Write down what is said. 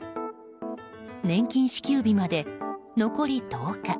年金支給日まで残り１０日。